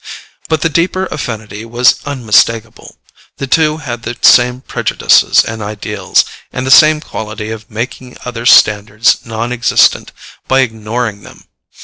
But the deeper affinity was unmistakable: the two had the same prejudices and ideals, and the same quality of making other standards non existent by ignoring them.